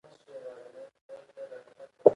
د دواړو جوړښت په روښانه ډول لیدل کېږي